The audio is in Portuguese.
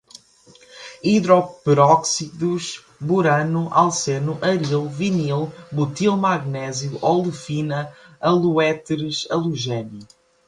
hidroperóxidos, borano, alceno, aril, vinil, butilmagnésio, olefina, haloéteres, halogênio